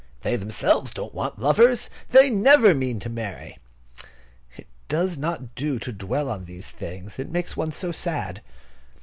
They themselves don't want lovers. They never mean to marry. It does not do to dwell on these things; it makes one so sad.